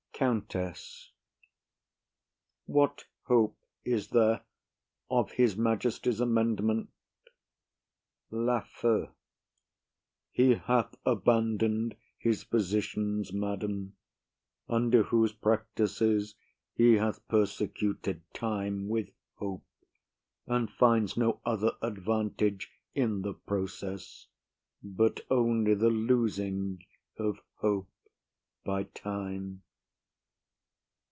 COUNTESS. What hope is there of his majesty's amendment? LAFEW. He hath abandon'd his physicians, madam; under whose practices he hath persecuted time with hope, and finds no other advantage in the process but only the losing of hope by time.